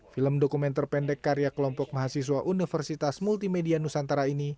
film dokumen terpendek karya kelompok mahasiswa universitas multimedia nusantara ini